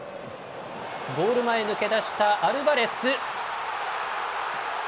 ゴール前抜け出したアルバレス。